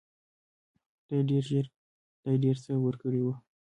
خدای ډېر څه ورکړي وو.